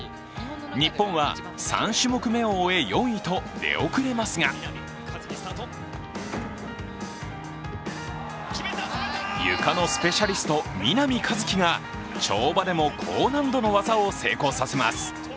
日本は３種目めを終え、４位と出遅れますがゆかのスペシャリスト・南一輝が跳馬でも高難度の技を成功させます。